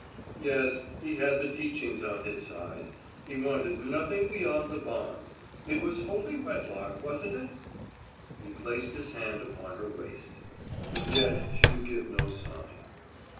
Yes, he had the teachings on his side. He wanted nothing beyond the bond. It was holy wedlock, wasn't it? He placed his hand upon her waist. And yet she would give no sign.